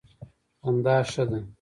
خندا ښه ده.